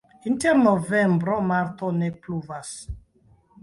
Inter novembro-marto ne pluvas.